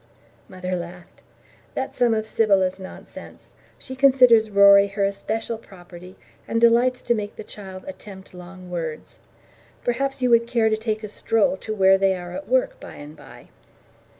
Mother laughed. "That's some of Sybylla's nonsense. She considers Rory her especial property, and delights to make the child attempt long words. Perhaps you would care to take a stroll to where they are at work, by and by."